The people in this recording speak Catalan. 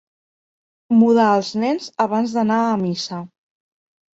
Mudar els nens abans d'anar a missa.